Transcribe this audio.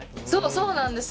そうなんです。